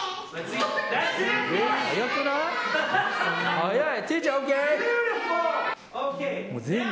早い。